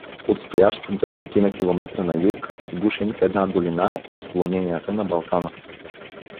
Отстоящ двайсетина километра на юг, сгушен в една долина в разклоненията на Балкана.